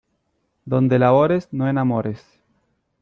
Donde labores no enamores.